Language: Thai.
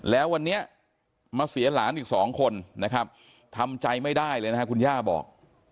แล้ววันนี้มาเสียหลานอีกสองคนนะครับทำใจไม่ได้เลยนะครับคุณย่าบอก